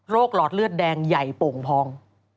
หลอดเลือดแดงใหญ่โป่งพอง